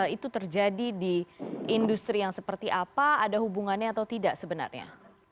itu terjadi di industri yang seperti apa ada hubungannya atau tidak sebenarnya